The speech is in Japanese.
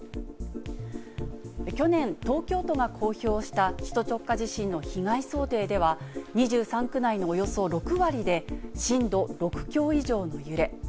去年、東京都が公表した首都直下地震の被害想定では、２３区内のおよそ６割で、震度６強以上の揺れ。